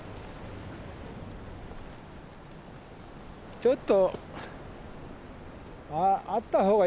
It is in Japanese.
ちょっと。